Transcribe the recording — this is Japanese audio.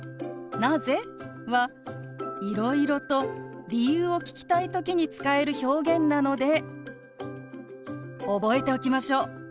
「なぜ？」はいろいろと理由を聞きたい時に使える表現なので覚えておきましょう。